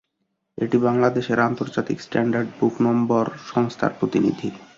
এটি বাংলাদেশে আন্তর্জাতিক স্ট্যান্ডার্ড বুক নম্বর সংস্থার প্রতিনিধি।